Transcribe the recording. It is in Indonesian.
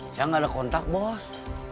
saya nggak ada kontak bos